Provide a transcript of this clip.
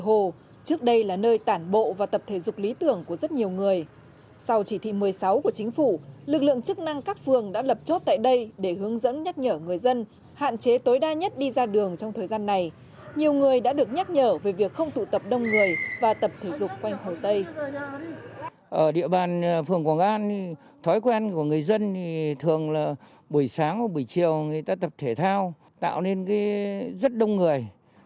ở địa bàn phường quảng an thói quen của người dân thường là buổi sáng và buổi chiều người ta tập thể thao tạo nên rất đông người